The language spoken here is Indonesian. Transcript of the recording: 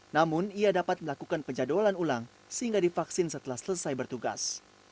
namun ia dapat melakukan penjadwalan ulang sehingga divaksin setelah selesai bertugas